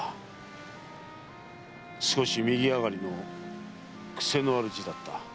少し右上がりの癖のある字だった。